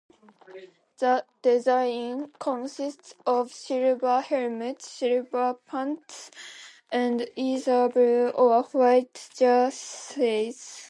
The design consists of silver helmets, silver pants, and either blue or white jerseys.